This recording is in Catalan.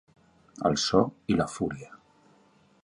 El so i la fúria